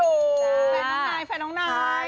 แฟนต้องไหนแฟนต้องไหน